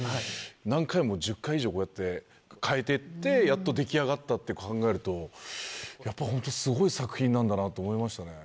何回も１０回以上変えてってやっと出来上がったって考えるとやっぱホントにすごい作品なんだなと思いましたね。